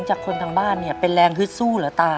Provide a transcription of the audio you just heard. จากคนทางบ้านเนี่ยเป็นแรงฮึดสู้เหรอตา